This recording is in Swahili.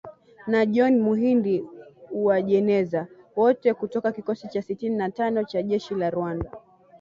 Na John Muhindi Uwajeneza, wote kutoka kikosi cha sitini na tano cha jeshi la Rwanda.